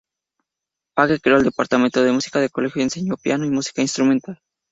Page creó el departamento de música del colegio y enseñó piano y música instrumental.